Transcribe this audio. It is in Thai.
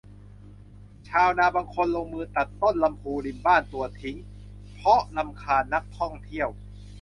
ชาวบ้านบางคนลงมือตัดต้นลำพูริมบ้านตัวทิ้ง เพราะรำคาญนักท่องเที่ยว